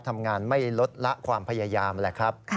ทำงานไม่ลดละความพยายามแหละครับ